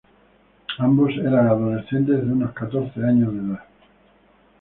Ambos eran adolescentes de unos catorce años de edad.